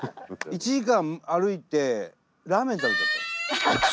１時間歩いてラーメン食べちゃったんです。